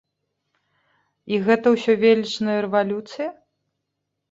І гэта ўсё велічная рэвалюцыя?